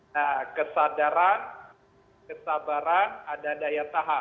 nah kesadaran kesabaran ada daya tahan